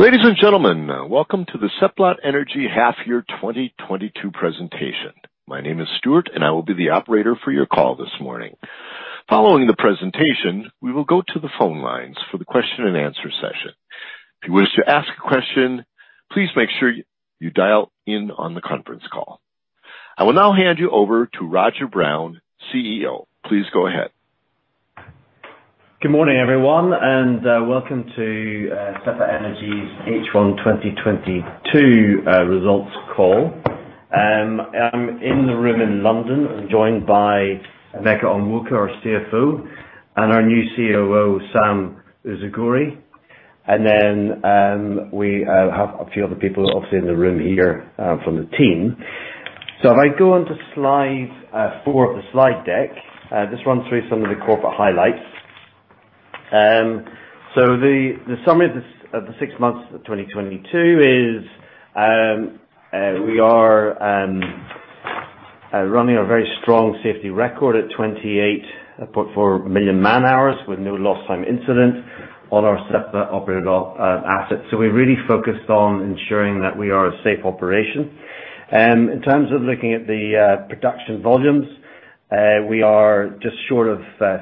Ladies and gentlemen, welcome to the Seplat Energy Half Year 2022 Presentation. My name is Stuart and I will be the operator for your call this morning. Following the presentation, we will go to the phone lines for the question and answer session. If you wish to ask a question, please make sure you dial in on the conference call. I will now hand you over to Roger Brown, CEO. Please go ahead. Good morning, everyone, and welcome to Seplat Energy's H1 2022 results call. I'm in the room in London. I'm joined by Emeka Onwuka, our CFO, and our new COO, Sam Ezugworie. We have a few other people obviously in the room here from the team. If I go on to slide four of the slide deck, this runs through some of the corporate highlights. The summary of the six months of 2022 is we are running a very strong safety record at 28.4 million man hours with no lost time incidents on our Seplat operated assets. We're really focused on ensuring that we are a safe operation. In terms of looking at the production volumes, we are just short of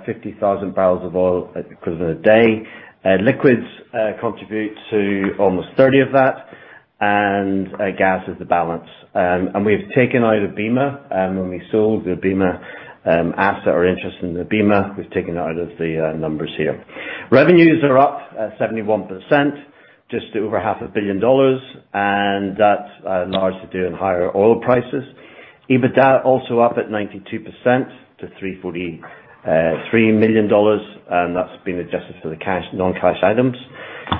50,000 barrels of oil equivalent a day. Liquids contribute to almost 30 of that and gas is the balance. We've taken out Ubima when we sold the Ubima asset or interest in Ubima, we've taken it out of the numbers here. Revenues are up 71%, just over $500,000, and that's largely due to higher oil prices. EBITDA also up at 92% to $343 million, and that's been adjusted for the cash, non-cash items.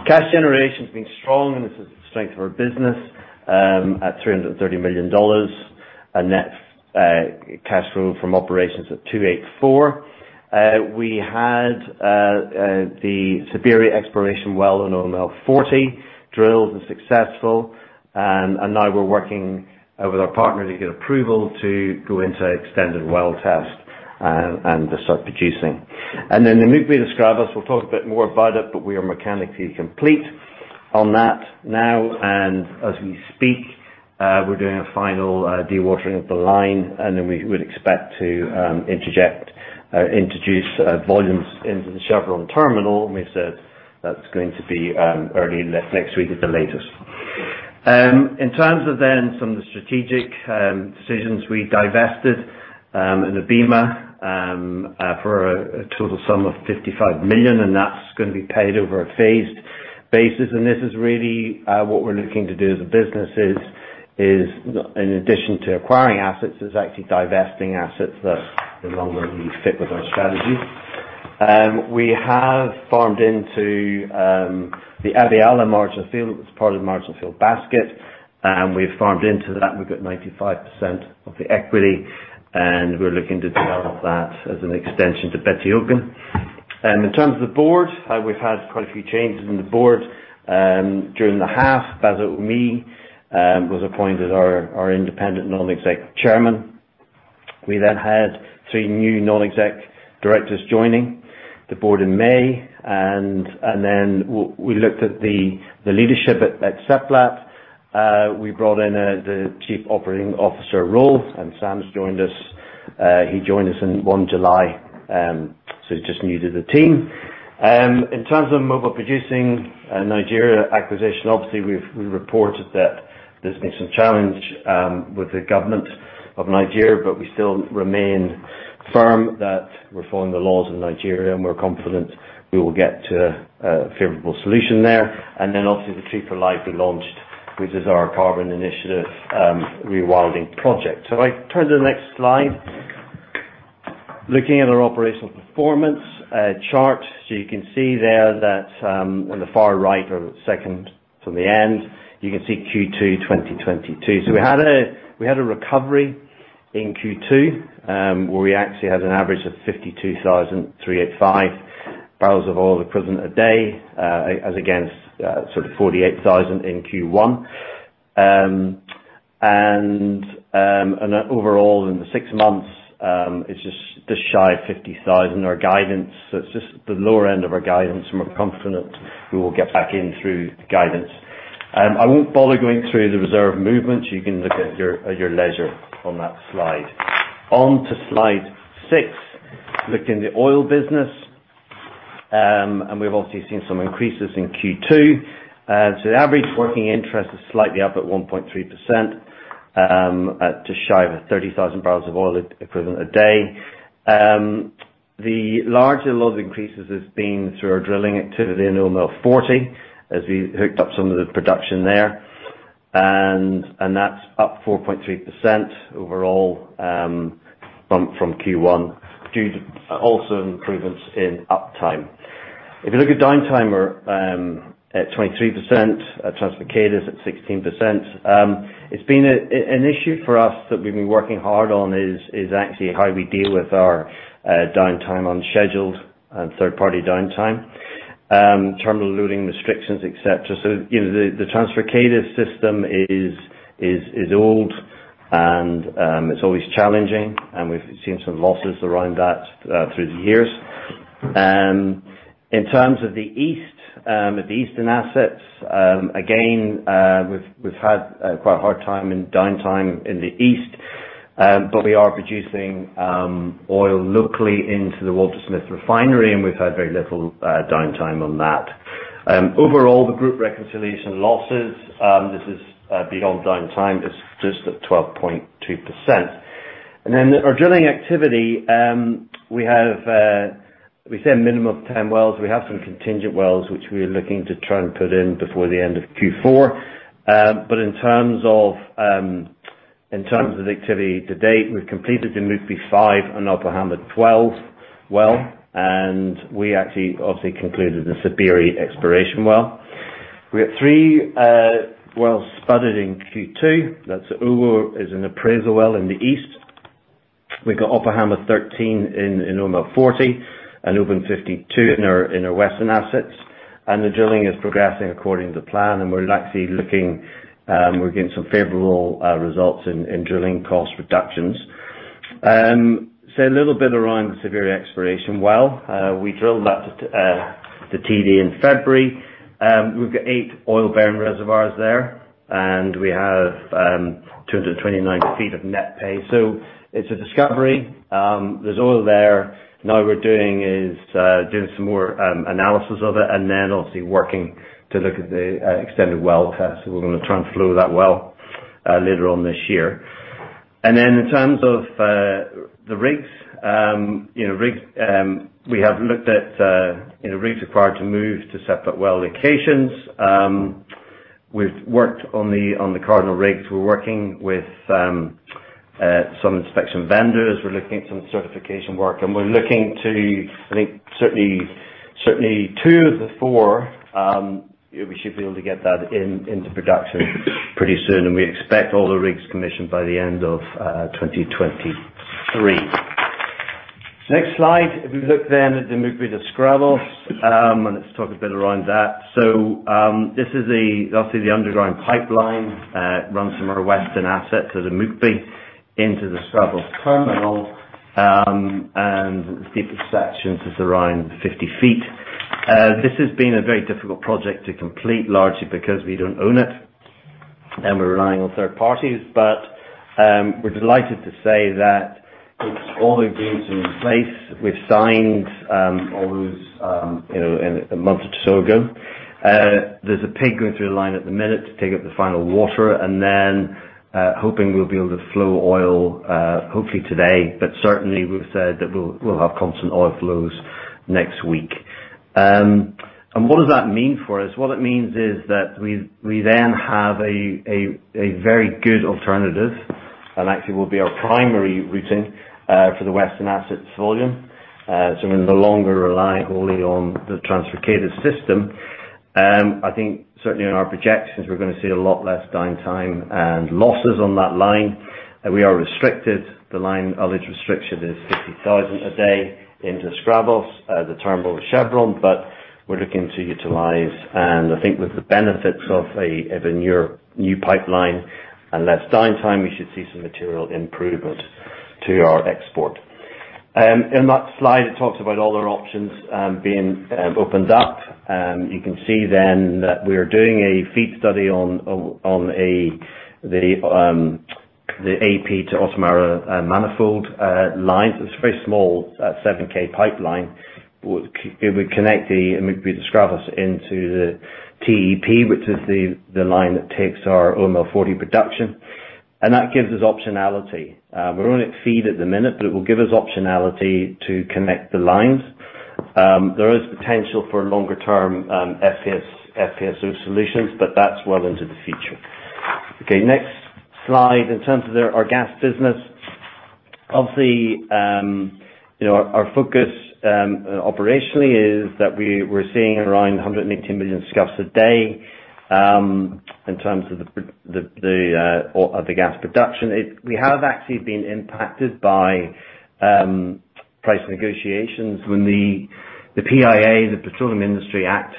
Cash generation's been strong, and this is the strength of our business at $330 million. Net cash flow from operations at $284 million. We had the Sibiri exploration well on OML 40 drilled and successful. Now we're working with our partner to get approval to go into extended well test and to start producing. Then the Amukpe-Escravos, we'll talk a bit more about it, but we are mechanically complete on that now. As we speak, we're doing a final dewatering of the line, and then we would expect to introduce volumes into the Chevron terminal, and we said that's going to be early next week at the latest. In terms of then some of the strategic decisions, we divested in Ubima for a total sum of $55 million, and that's gonna be paid over a phased basis. This is really what we're looking to do as a business is in addition to acquiring assets, is actually divesting assets that no longer really fit with our strategy. We have farmed into the Abiala marginal field. It's part of the marginal field basket. We've farmed into that. We've got 95% of the equity, and we're looking to develop that as an extension to Gbetiokun. In terms of the board, we've had quite a few changes in the board. During the half, Basil Omiyi was appointed our independent non-exec chairman. We then had three new non-exec directors joining the board in May. Then we looked at the leadership at Seplat. We brought in the Chief Operating Officer role, and Sam's joined us. He joined us in July 1, so he's just new to the team. In terms of Mobil Producing Nigeria Unlimited acquisition, obviously we reported that there's been some challenge with the government of Nigeria, but we still remain firm that we're following the laws in Nigeria, and we're confident we will get to a favorable solution there. Obviously, the Tree for Life we launched, which is our carbon initiative, rewilding project. If I turn to the next slide. Looking at our operational performance chart. You can see there that, on the far right or second from the end, you can see Q2 2022. We had a recovery in Q2, where we actually had an average of 52,385 barrels of oil equivalent a day, as against sort of 48,000 in Q1. Overall in the six months, it's just shy of 50,000. Our guidance. It's just the lower end of our guidance, and we're confident we will get back in through the guidance. I won't bother going through the reserve movements. You can look at your leisure on that slide. On to slide six. Looking at the oil business, we've obviously seen some increases in Q2. The average working interest is slightly up at 1.3%, at just shy of 30,000 barrels of oil equivalent a day. The larger load of increases has been through our drilling activity in OML 40 as we hooked up some of the production there. That's up 4.3% overall, from Q1 due to also improvements in uptime. If you look at downtime, we're at 23%. Trans-Forcados at 16%. It's been an issue for us that we've been working hard on is actually how we deal with our downtime, unscheduled and third-party downtime. Terminal loading restrictions, et cetera. You know, the Trans-Forcados system is old. It's always challenging, and we've seen some losses around that through the years. In terms of the east of the eastern assets, again, we've had quite a hard time in downtime in the east, but we are producing oil locally into the Waltersmith refinery, and we've had very little downtime on that. Overall, the group reconciliation losses, this is beyond downtime, is just at 12.2%. Then our drilling activity, we have we said minimum of 10 wells. We have some contingent wells, which we are looking to try and put in before the end of Q4. In terms of the activity to date, we've completed the Amukpe-05 and Upper Amukpe 12 well, and we actually obviously concluded the Sibiri exploration well. We had three wells spudded in Q2. That's Uwuh, an appraisal well in the east. We've got Upper Hamat 13 in OML 40 and Uwuh 52 in our western assets. The drilling is progressing according to plan, and we're actually getting some favorable results in drilling cost reductions. A little bit around the Sibiri exploration well. We drilled that to TD in February. We've got eight oil-bearing reservoirs there, and we have 229 ft of net pay. It's a discovery. There's oil there. Now we're doing some more analysis of it and then obviously working to look at the extended well test. We're gonna transfer that well later on this year. In terms of the rigs, you know, we have looked at you know, rigs required to move to separate well locations. We've worked on the Cardinal rigs. We're working with some inspection vendors. We're looking at some certification work, and we're looking to, I think, certainly two of the four, we should be able to get that into production pretty soon, and we expect all the rigs commissioned by the end of 2023. Next slide. If we look then at the Amukpe to Escravos, and let's talk a bit around that. This is obviously the underground pipeline, runs from our western assets at Amukpe into the Escravos terminal, and the deepest section is around 50 ft. This has been a very difficult project to complete, largely because we don't own it, and we're relying on third parties. We're delighted to say that it's all engaged and in place. We've signed all those, you know, a month or so ago. There's a pig going through the line at the minute to take out the final water and then hoping we'll be able to flow oil, hopefully today, but certainly we've said that we'll have constant oil flows next week. What does that mean for us? What it means is that we then have a very good alternative and actually will be our primary routing for the western asset volume. We no longer rely wholly on the Trans-Forcados system. I think certainly in our projections, we're gonna see a lot less downtime and losses on that line. We are restricted. The line outage restriction is 50,000 a day into Escravos, the terminal with Chevron, but we're looking to utilize, and I think with the benefits of a new pipeline and less downtime, we should see some material improvement to our export. In that slide, it talks about other options being opened up. You can see then that we're doing a feed study on the Amukpe to Otumara manifold line. It's a very small 7 km pipeline. It would connect the Amukpe to Escravos into the TEP, which is the line that takes our OML 40 production. That gives us optionality. We're only at feed at the minute, but it will give us optionality to connect the lines. There is potential for longer-term FSO solutions, but that's well into the future. Okay. Next slide, in terms of our gas business. Obviously, you know, our focus operationally is that we're seeing around 118 million scf a day in terms of the gas production. We have actually been impacted by price negotiations when the PIA, the Petroleum Industry Act,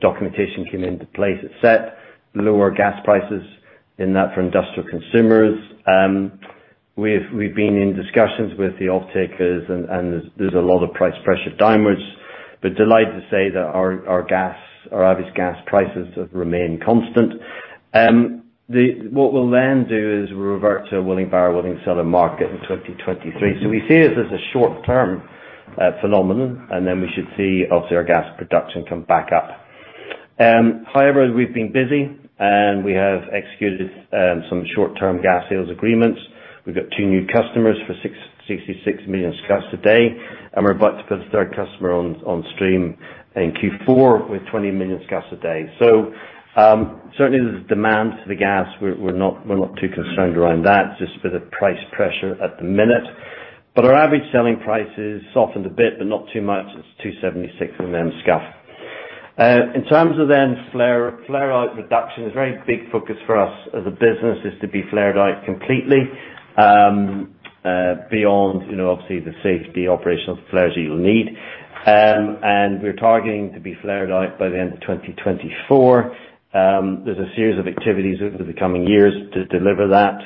documentation came into place. It set lower gas prices in that for industrial consumers. We've been in discussions with the off-takers and there's a lot of price pressure downwards. But delighted to say that our gas, our average gas prices have remained constant. What we'll then do is revert to a willing buyer, willing seller market in 2023. We see it as a short-term phenomenon, and then we should see obviously our gas production come back up. However, we've been busy, and we have executed some short-term gas sales agreements. We've got two new customers for 66 million scf a day, and we're about to put a third customer on stream in Q4 with 20 million scf a day. Certainly there's demand for the gas. We're not too concerned around that, just for the price pressure at the minute. Our average selling price has softened a bit, but not too much. It's 276 MMscfd. In terms of the flare-out reduction, it's a very big focus for us as a business to be flared out completely, beyond, you know, obviously the safety operational flares that you'll need. We're targeting to be flared out by the end of 2024. There's a series of activities over the coming years to deliver that,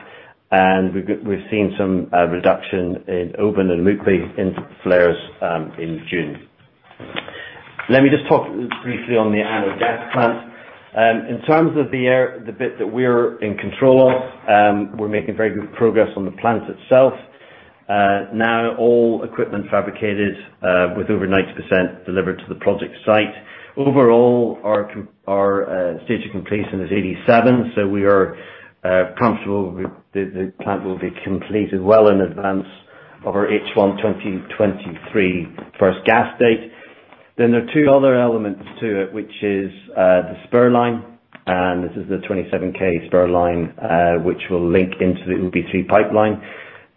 and we've seen some reduction in Oben and Uquo flares in June. Let me just talk briefly on the ANOH gas plant. In terms of the area, the bit that we're in control of, we're making very good progress on the plant itself. Now all equipment fabricated, with over 90% delivered to the project site. Overall, our stage of completion is 87%, so we are comfortable with the plant will be completed well in advance of our H1 2023 first gas date. There are two other elements to it, which is the spur line, and this is the 27 km spur line, which will link into the OB3 pipeline.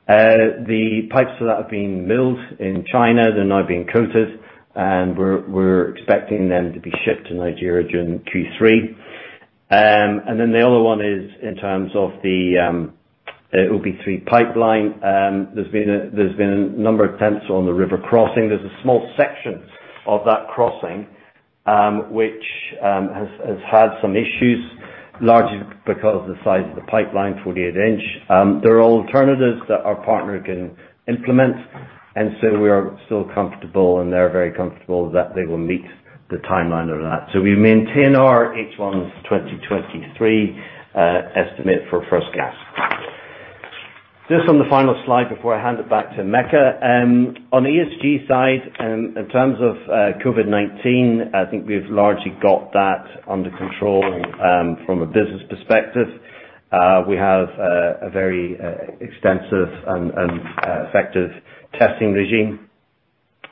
The pipes for that have been milled in China. They're now being coated, and we're expecting them to be shipped to Nigeria during Q3. The other one is in terms of the OB3 pipeline. There's been a number of attempts on the river crossing. There's a small section of that crossing, which has had some issues, largely because of the size of the pipeline, 48 in. There are alternatives that our partner can implement, and so we are still comfortable, and they're very comfortable that they will meet the timeline of that. We maintain our H1 2023 estimate for first gas. Just on the final slide before I hand it back to Emeka. On the ESG side, in terms of COVID-19, I think we've largely got that under control from a business perspective. We have a very extensive and effective testing regime,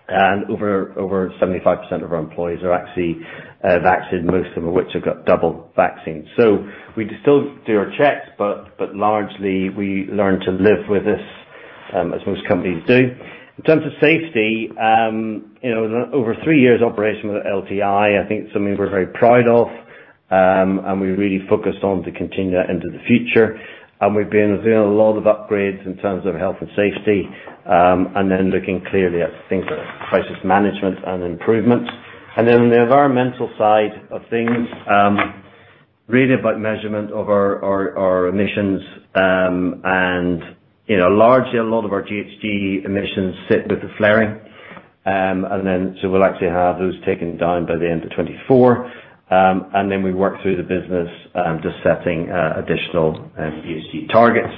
and over 75% of our employees are actually vaccinated, most of which have got double vaccines. We still do our checks, but largely we learn to live with this as most companies do. In terms of safety, you know, over three years operation with LTI, I think it's something we're very proud of, and we really focus on to continue that into the future. We've been doing a lot of upgrades in terms of health and safety, and then looking clearly at things like crisis management and improvements. On the environmental side of things, really about measurement of our emissions. You know, largely a lot of our GHG emissions sit with the flaring. We'll actually have those taken down by the end of 2024. We work through the business, just setting additional GHG targets.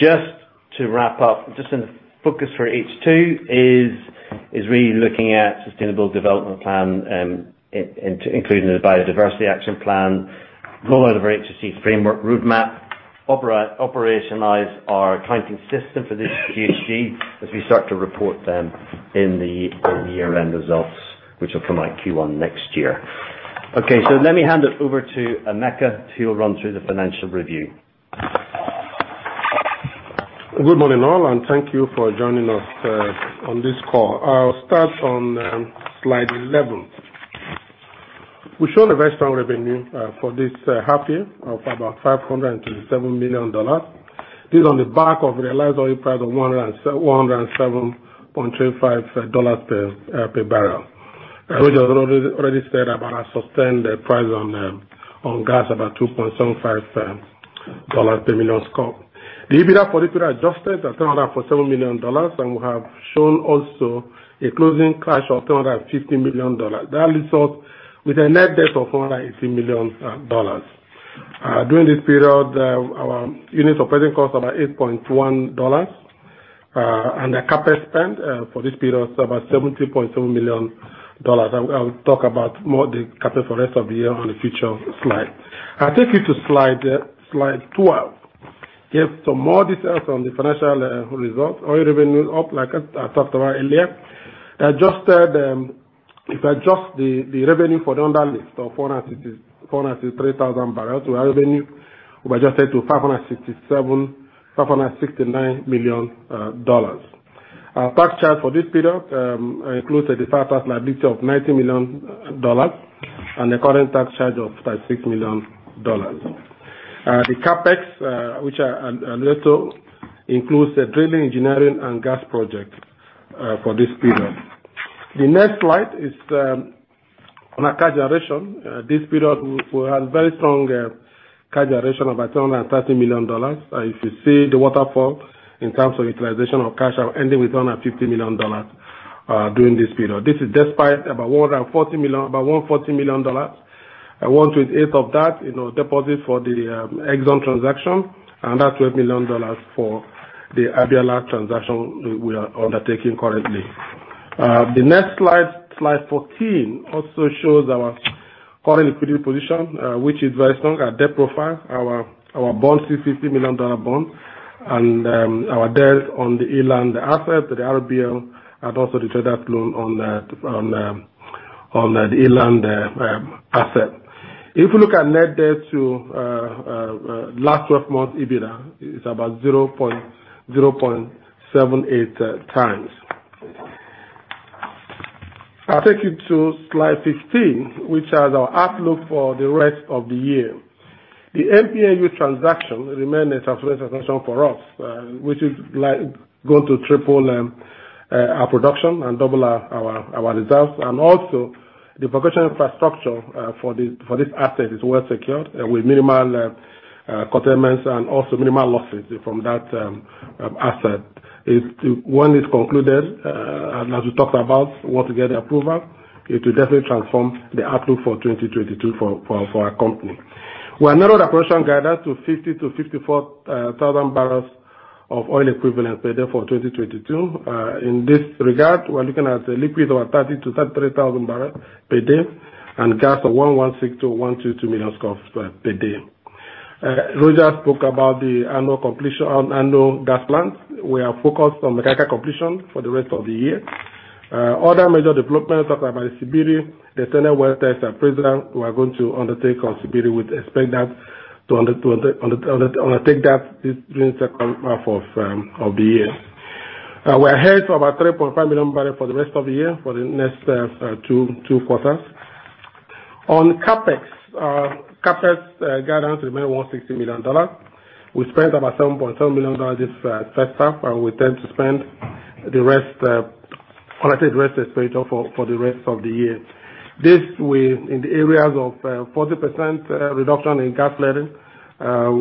Just to wrap up, just in the focus for H2 is really looking at sustainable development plan, including the biodiversity action plan. Roll out of our TCFD framework roadmap, operationalize our accounting system for this GHG, as we start to report them in the year-end results, which will come out Q1 next year. Okay. Let me hand it over to Emeka, who will run through the financial review. Good morning, all, and thank you for joining us on this call. I'll start on slide 11. We show a very strong revenue for this half year of about $537 million. This on the back of realized oil price of $107.25 per barrel. As Roger already said, about our sustained price on gas about $2.75 per Mscf. The EBITDA for this period adjusted are $347 million, and we have shown also a closing cash of $250 million. That leaves us with a net debt of $480 million. During this period, our unit operating costs are about $8.1, and the CapEx spend for this period was about $70.7 million. I will talk about more the CapEx for rest of the year on the future slides. I'll take you to slide 12. Here's some more details on the financial results. Oil revenue up like I talked about earlier. Adjusted, if I adjust the revenue for the underlift of 463,000 barrels to our revenue, we adjusted to $569 million. Our tax charge for this period includes a deferred tax liability of $90 million and a current tax charge of $36 million. The CapEx, which I'll later includes the drilling, engineering and gas project for this period. The next slide is on our cash generation. This period, we had very strong cash generation of about $230 million. If you see the waterfall in terms of utilization of cash, ending with $150 million during this period. This is despite about $140 million, $128 million of that, you know, deposit for the ExxonMobil transaction, and that's $12 million for the Abiala transaction we are undertaking currently. The next slide 14, also shows our current liquidity position, which is very strong. Our debt profile, our bonds, $250 million bond and our debt on the Eland asset, the RBL, and also the trade debt loan on the Eland asset. If you look at net debt to last 12 months EBITDA, it's about 0.078x. I'll take you to slide 15, which has our outlook for the rest of the year. The MPNU transaction remains a transformation for us, which is like going to triple our production and double our results. The production infrastructure for this asset is well secured and with minimal contingencies and also minimal losses from that asset. When it's concluded, and as we talked about, once we get the approval, it will definitely transform the outlook for 2022 for our company. We have narrowed our production guidance to 50-54 thousand barrels of oil equivalent per day for 2022. In this regard, we're looking at a liquid of 30-33 thousand barrels per day and gas of 116-122 MMscfd per day. Roger spoke about the ANOH completion on ANOH gas plants. We are focused on the ANOH completion for the rest of the year. Other major developments talked about Sibiri, the initial well tests at Sibiri, we are going to undertake on Sibiri. We'd expect that to undertake that this second half of the year. We're ahead of our 3.5 million barrels for the rest of the year for the next two quarters. On CapEx guidance remains $160 million. We spent about $7.7 million this first half, and we tend to spend the rest of the CapEx for the rest of the year. This will be in the areas of 40% reduction in gas flaring.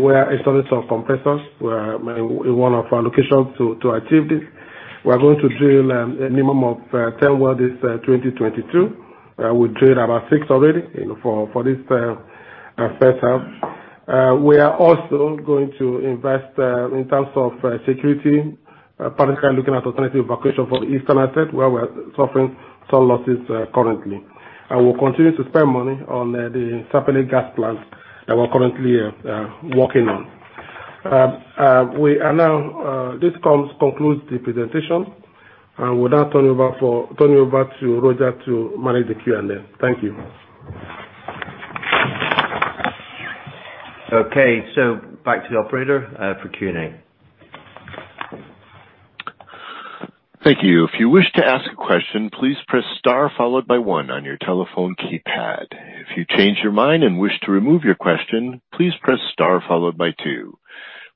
We are installing some compressors in one of our locations to achieve this. We are going to drill a minimum of 10 wells this 2022. We drilled about six already in this first half. We are also going to invest in terms of security currently looking at alternative evacuation for the eastern asset, where we're suffering some losses currently. We'll continue to spend money on the Sapele gas plant that we're currently working on. This concludes the presentation. With that, turn over to Roger to manage the Q&A. Thank you. Okay. Back to the operator, for Q&A. Thank you. If you wish to ask a question, please press star followed by one on your telephone keypad. If you change your mind and wish to remove your question, please press star followed by two.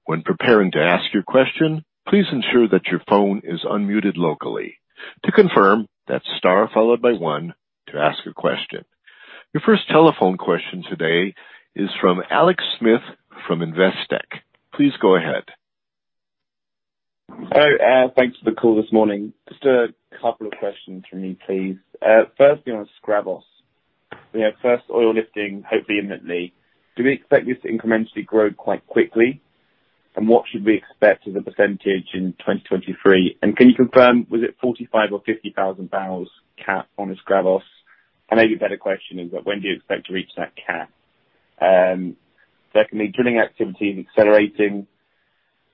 When preparing to ask your question, please ensure that your phone is unmuted locally. To confirm, that's star followed by one to ask a question. Your first telephone question today is from Alex Smith from Investec. Please go ahead. Thanks for the call this morning. Just a couple of questions from me, please. First on Escravos. We have first oil lifting, hopefully immediately. Do we expect this to incrementally grow quite quickly? And what should we expect as a percentage in 2023? And can you confirm, was it 45,000 or 50,000 barrels cap on the Escravos? And maybe a better question is, when do you expect to reach that cap? Secondly, drilling activity is accelerating.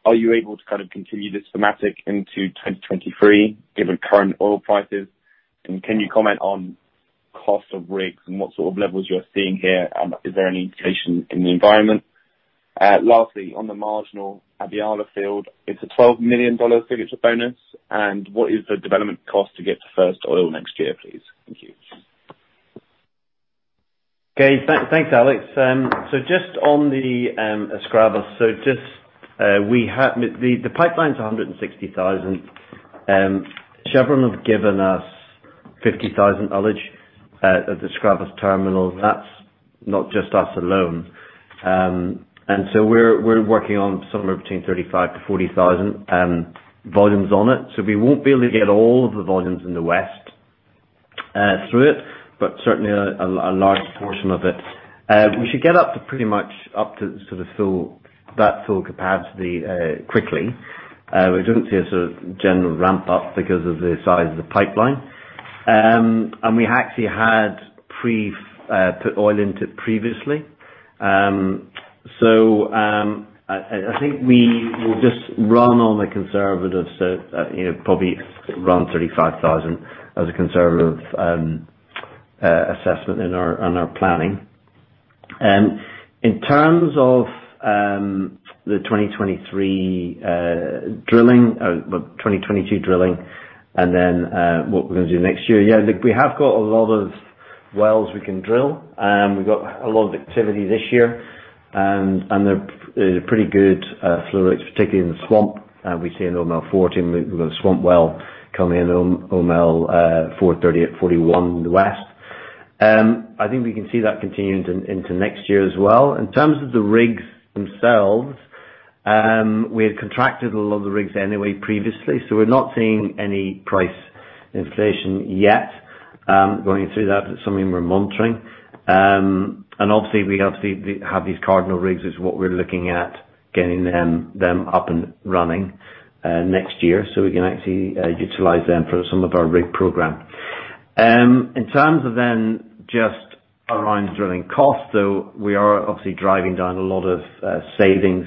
Are you able to kind of continue this thematic into 2023 given current oil prices? And can you comment on cost of rigs and what sort of levels you're seeing here? Is there any indication in the environment? Lastly, on the marginal Abiala field, it's a $12 million signature bonus. And what is the development cost to get to first oil next year, please? Thank you. Thanks, Alex. Just on the Escravos. We have the pipeline's 160,000. Chevron have given us 50,000 ullage at the Escravos terminal. That's not just us alone. We're working on somewhere between 35,000-40,000 volumes on it. We won't be able to get all of the volumes in the west through it, but certainly a large portion of it. We should get up to pretty much up to sort of full, that full capacity quickly. We don't see a sort of general ramp up because of the size of the pipeline. We actually had put oil into previously. I think we will just run on the conservative side, you know, probably around 35,000 as a conservative assessment on our planning. In terms of the 2023 drilling, 2022 drilling and then what we're gonna do next year, like we have got a lot of wells we can drill. We've got a lot of activity this year. They're pretty good flow rates, particularly in the swamp. We see in OML 40, we've got a swamp well coming in OML 41 West. I think we can see that continuing into next year as well. In terms of the rigs themselves, we had contracted a lot of the rigs anyway previously, so we're not seeing any price inflation yet, going through that. That's something we're monitoring. Obviously we have these Cardinal rigs, which is what we're looking at getting them up and running next year. We can actually utilize them for some of our rig program. In terms of then just around drilling costs, we are obviously driving down a lot of savings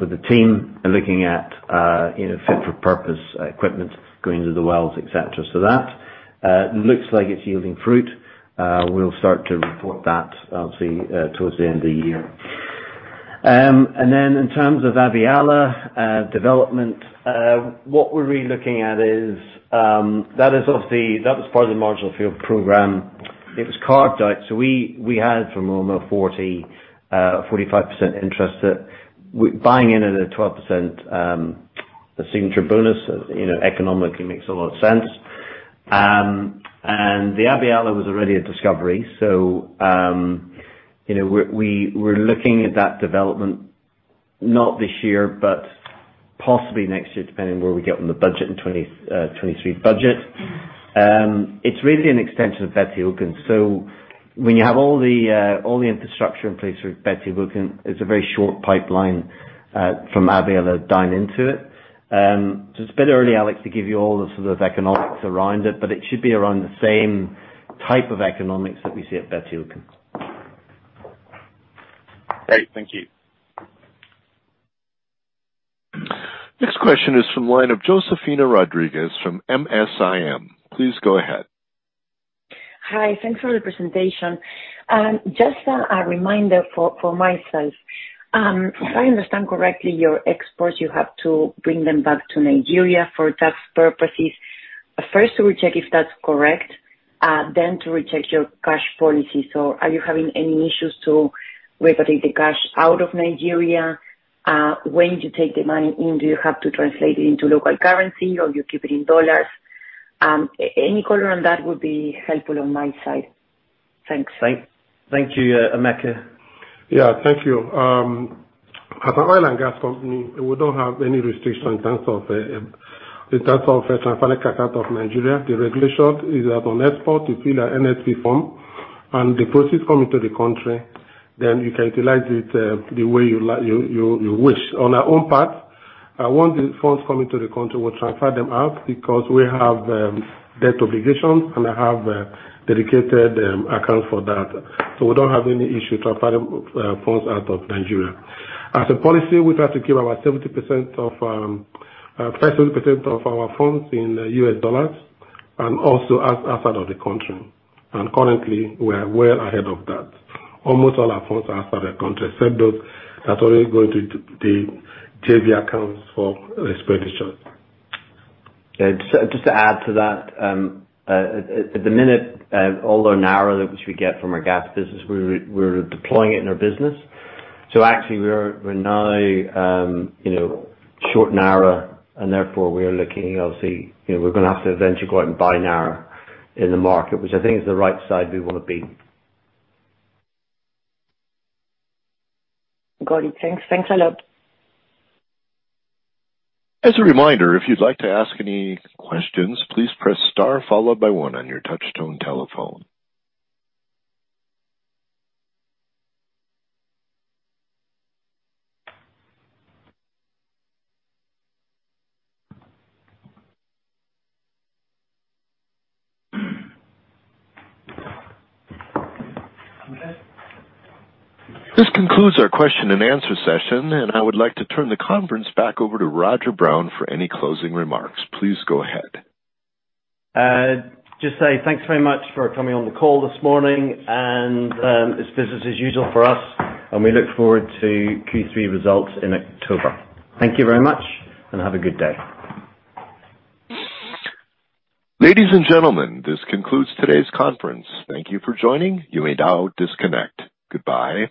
with the team and looking at you know, fit for purpose equipment going into the wells, et cetera. That looks like it's yielding fruit. We'll start to report that obviously towards the end of the year. In terms of Abiala development, what we're really looking at is that was part of the marginal field program. It was carved out. We had from almost 45% interest that we're buying in at a 12%, a signature bonus, you know, economically makes a lot of sense. The Abiala was already a discovery. We're looking at that development, not this year, but possibly next year, depending where we get on the budget in 2023 budget. It's really an extension of Gbetiokun. When you have all the infrastructure in place with Gbetiokun, it's a very short pipeline from Abiala down into it. It's a bit early, Alex, to give you all the sort of economics around it, but it should be around the same type of economics that we see at Gbetiokun. Great. Thank you. Next question is from the line of Josefina Rodriguez from MSIM. Please go ahead. Hi. Thanks for the presentation. Just a reminder for myself. If I understand correctly, your exports, you have to bring them back to Nigeria for tax purposes. First, to recheck if that's correct, then to recheck your cash policy. Are you having any issues to repatriate the cash out of Nigeria? When you take the money in, do you have to translate it into local currency or you keep it in dollars? Any color on that would be helpful on my side. Thanks. Thank you. Emeka. Yeah. Thank you. As an oil and gas company, we don't have any restriction in terms of a transfer account of Nigeria. The regulation is that on export, you fill an NXP Form, and the proceeds come into the country, then you can utilize it the way you wish. On our own part, once the funds come into the country, we transfer them out because we have debt obligations, and I have dedicated accounts for that. So we don't have any issue transferring funds out of Nigeria. As a policy, we try to keep our 70% of our funds in U.S. dollars and also as outside of the country. Currently, we're well ahead of that. Almost all our funds are outside the country, except those that only go into the JV accounts for expenditures. Yeah. Just to add to that, at the minute, all our Naira which we get from our gas business, we're deploying it in our business. Actually we're now, you know, short Naira, and therefore we are looking obviously, you know, we're gonna have to eventually go out and buy Naira in the market, which I think is the right side we wanna be. Got it. Thanks. Thanks a lot. As a reminder, if you'd like to ask any questions, please press star followed by one on your touch tone telephone. This concludes our question and answer session, and I would like to turn the conference back over to Roger Brown for any closing remarks. Please go ahead. Just say thanks very much for coming on the call this morning, and this business is usual for us, and we look forward to Q3 results in October. Thank you very much, and have a good day. Ladies and gentlemen, this concludes today's conference. Thank you for joining. You may now disconnect. Goodbye.